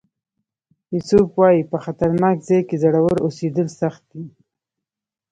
ایسوپ وایي په خطرناک ځای کې زړور اوسېدل سخت دي.